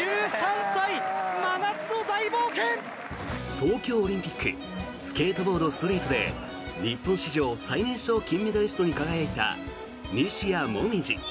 東京オリンピックスケートボードストリートで日本史上最年少金メダリストに輝いた西矢椛。